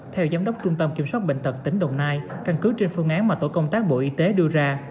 theo giám đốc trung tâm kiểm soát bệnh tật tỉnh đồng nai căn cứ trên phương án mà tổ công tác bộ y tế đưa ra